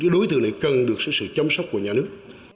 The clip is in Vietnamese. đối tượng này cần được sự chăm sóc của nhà nước